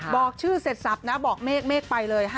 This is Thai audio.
บอกชื่อเสร็จทรัพย์นะบอกเมฆไปเลย